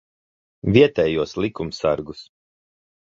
Vietējos likumsargus.